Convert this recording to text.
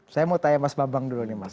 saya mau tanya mas bambang dulu nih mas